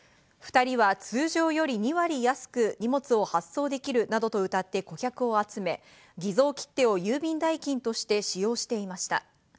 ２人は通常より２割安く荷物を発送できるなどとうたって顧客を集め、偽造切手を郵便代金として使用していました。